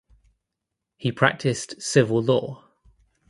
He practiced civil law.